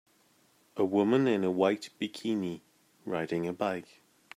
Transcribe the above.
A woman in a white bikini riding a bike.